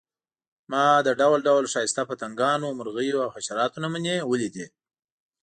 ما د ډول ډول ښایسته پتنګانو، مرغیو او حشراتو نمونې ولیدې.